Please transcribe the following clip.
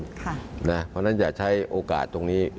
เพราะฉะนั้นอย่าใช้โอกาสตรงนี้